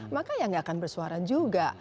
maka ya nggak akan bersuara juga